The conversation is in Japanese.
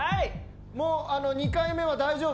もう２回目は大丈夫。